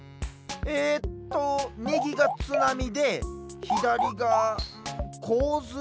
えっとみぎがつなみでひだりがんこうずい？